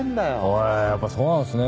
へぇやっぱそうなんですね。